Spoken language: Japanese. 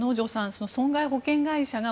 その損害保険会社が